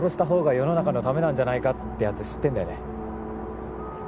世の中のためなんじゃないかってやつ知ってんだよね